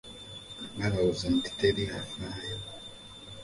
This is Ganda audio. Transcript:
Balowooza nti teri afayo.